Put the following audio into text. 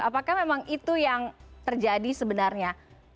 apakah memang itu yang terjadi sebenarnya